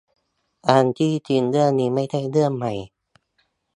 อันที่จริงเรื่องนี้ไม่ใช่เรื่องใหม่